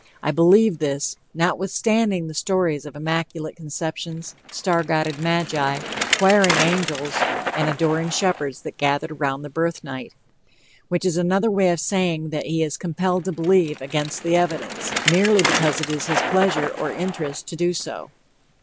I believe this, notwithstanding the stories of immaculate conceptions, star guided magi, choiring angels and adoring shepards that gathered around the birth night." Which is another way of saying that he is "compelled to believe" against the evidence, merely because it is his pleasure or interest to do so.